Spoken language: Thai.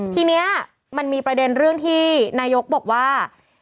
ทีนี้มันมีประเด็นเรื่องที่นายกบอกว่า